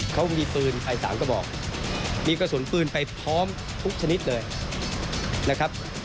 เขามีปืนไปสามกระบอกมีกระสุนปืนไปพร้อมทุกชนิดเลยนะครับ